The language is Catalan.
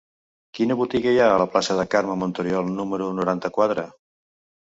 Quina botiga hi ha a la plaça de Carme Montoriol número noranta-quatre?